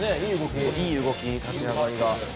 いい動き立ち上がりが。